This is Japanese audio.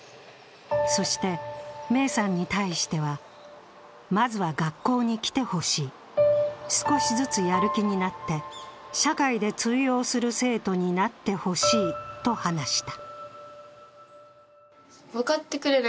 そして芽生さんに対しては、まずは学校に来てほしい、少しずつやる気になって社会で通用する生徒になってほしいと話した。